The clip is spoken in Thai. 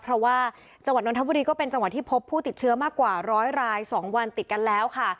เพราะว่าจังหวัดนทบุรีก็เป็นจังหวัดที่พบผู้ติดเชื้อมากกว่าร้อยราย๒วันติดกันแล้วค่ะ